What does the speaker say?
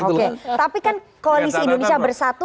oke tapi kan koalisi indonesia bersatu